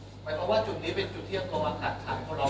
หมายความว่าจุดนี้เป็นจุดเที่ยงตรงวันถัดขังผลบ้าน